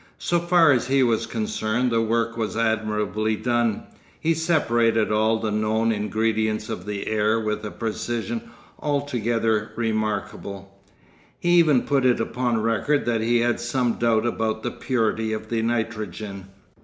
So far as he was concerned the work was admirably done. He separated all the known ingredients of the air with a precision altogether remarkable; he even put it upon record that he had some doubt about the purity of the nitrogen.